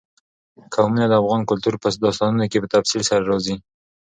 قومونه د افغان کلتور په داستانونو کې په تفصیل سره راځي.